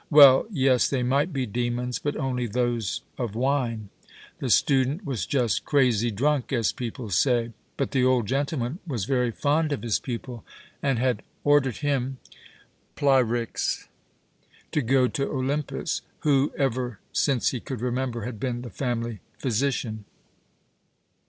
Well, yes, they might be demons, but only those of wine. The student was just "crazy drunk," as people say. But the old gentleman was very fond of his pupil, and had ordered him, Phryx, to go to Olympus, who, ever since he could remember, had been the family physician.